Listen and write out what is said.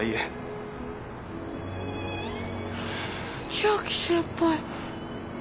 千秋先輩。